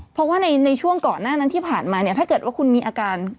เพราะว่าในช่วงก่อนหน้านั้นที่ผ่านมาเนี่ยถ้าเกิดว่าคุณมีอาการ